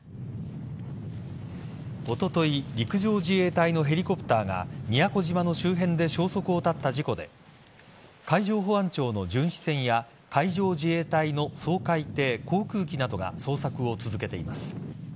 おととい陸上自衛隊のヘリコプターが宮古島の周辺で消息を絶った事故で海上保安庁の巡視船や海上自衛隊の掃海艇航空機などが捜索を続けています。